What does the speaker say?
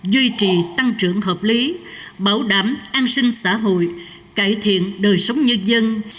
duy trì tăng trưởng hợp lý bảo đảm an sinh xã hội cải thiện đời sống nhân dân